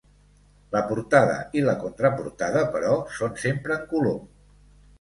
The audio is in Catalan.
La portada i la contraportada, però, són sempre en color.